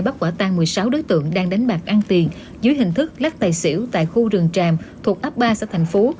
bắt quả tan một mươi sáu đối tượng đang đánh bạc ăn tiền dưới hình thức lắc tài xỉu tại khu rừng tràm thuộc ấp ba xã thành phố